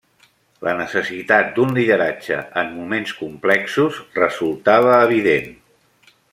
La necessitat d'un lideratge en moments complexos resultava evident.